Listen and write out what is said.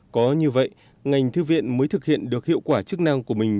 có như vậy ngành thư viện mới thực hiện được hiệu quả chức năng của mình